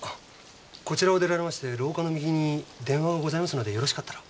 こちらを出られまして廊下の右に電話がございますのでよろしかったら。